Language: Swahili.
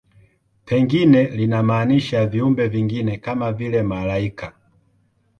Pengine linamaanisha viumbe vingine, kama vile malaika.